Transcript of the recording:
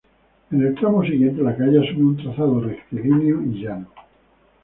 En el tramo siguiente la calle asume un trazado rectilíneo y llano.